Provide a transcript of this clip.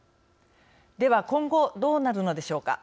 では今後どうなるのでしょうか。